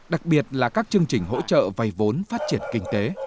đặc biệt là các chương trình hỗ trợ vay vốn phát triển kinh tế